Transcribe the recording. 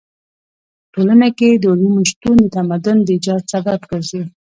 په ټولنه کې د علومو شتون د تمدن د ايجاد سبب ګرځي.